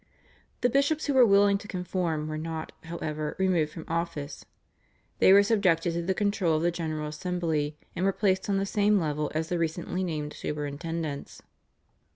The bishops who were willing to conform were not, however, removed from office. They were subjected to the control of the General Assembly, and were placed on the same level as the recently named superintendents.